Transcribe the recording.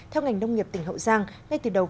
theo ngành nông nghiệp tỉnh hậu giang